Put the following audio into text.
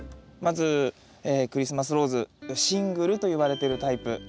まずクリスマスローズシングルといわれてるタイプ。